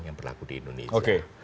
yang berlaku di indonesia